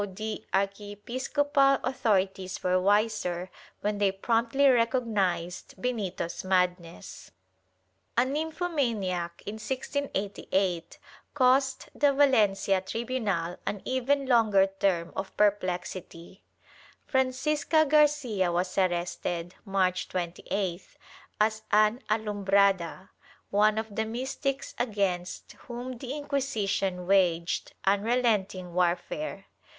62 THE TRIAL [Book VI archiepiscopal authorities were wiser, when they promptly recog nized Benito's madness. A nymphomaniac, in 1688, caused the Valencia tribunal an even longer term of perplexity. Francisca Garcia was arrested, March 28th, as an alumhrada — one of the mystics against whom the Inquisition waged unrelenting warfare.